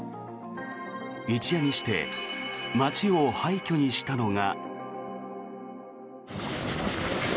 一夜にして街を廃虚にしたのが。